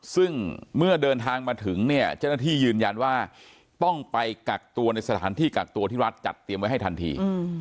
ซึ่งเมื่อเดินทางมาถึงเนี่ยเจ้าหน้าที่ยืนยันว่าต้องไปกักตัวในสถานที่กักตัวที่รัฐจัดเตรียมไว้ให้ทันที